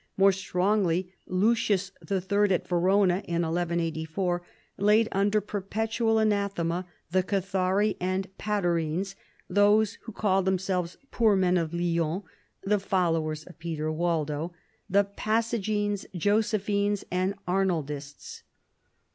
More strongly Lucius III. at Verona in 1184 laid under perpetual anathema " the Cathari and Paterines, those who call themselves poor men of Lyons (the followers of Peter Waldo), the Passagines, Josephines, and Arnaldists."